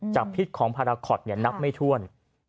พิษของพาราคอตนับไม่ถ้วน